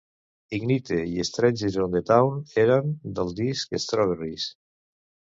"Ignite" i "Stranger on the Town" eren del disc "Strawberries".